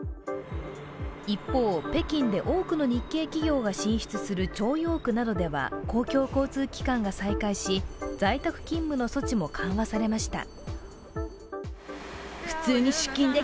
一方、北京で多くの日系企業が進出する朝陽区などでは公共交通機関が再開し、在宅勤務の措置も緩和されました。